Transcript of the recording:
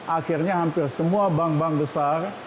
akhirnya hampir semua bank bank besar